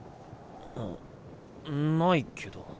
あっないけど。